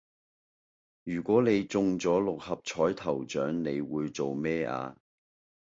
如果你中咗六合彩頭獎你會做咩呀